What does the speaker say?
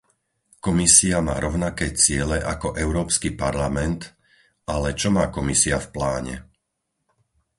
Komisia má rovnaké ciele ako Európsky parlament, ale čo má Komisia v pláne?